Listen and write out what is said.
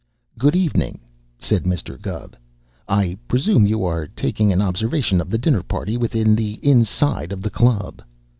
"Good evening," said Mr. Gubb. "I presume you are taking an observation of the dinner party within the inside of the club."